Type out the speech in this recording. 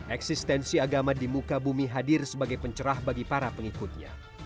eksistensi agama di muka bumi hadir sebagai pencerah bagi para pengikutnya